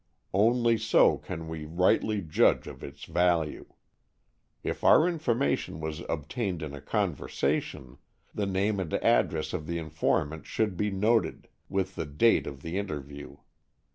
Only so can we rightly judge of its value. If our information was obtained in a conversation, the name and address of the informant should be noted, with the date of the interview.